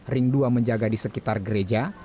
ring dua menjaga di sekitar gereja